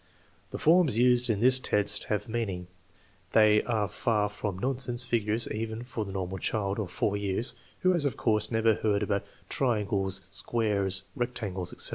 The forms used in this test have meaning. They are far from nonsense figures even for the (normal) child of 4 years, who has, of course, never heard about " triangles," " squares," " rectangles/' etc.